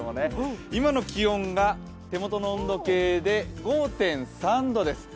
今の気温が手元の温度計で５．３度です。